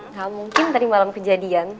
nah mungkin tadi malam kejadian